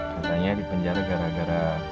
katanya di penjara gara gara